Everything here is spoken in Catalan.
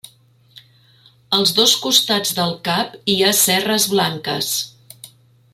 Als dos costats del cap hi ha cerres blanques.